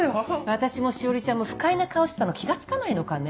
私も志織ちゃんも不快な顔してたの気が付かないのかね？